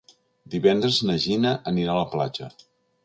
Divendres na Gina anirà a la platja.